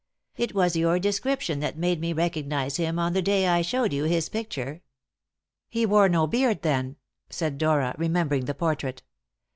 It was your description that made me recognise him on the day I showed you his picture." "He wore no beard then?" said Dora, remembering the portrait.